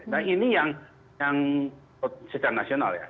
nah ini yang sedang nasional ya